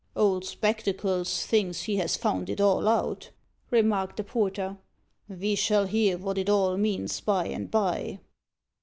"Old Spectacles thinks he has found it all out," remarked the porter; "ve shall hear wot it all means by and by."